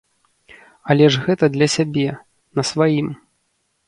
Але ж гэта для сябе, на сваім.